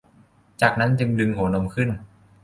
จากนั้นจึงดึงหัวนมขึ้น